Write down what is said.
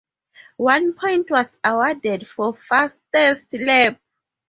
One point was awarded for fastest lap.